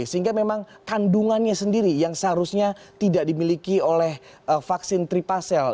sehingga memang kandungannya sendiri yang seharusnya tidak dimiliki oleh vaksin tripacel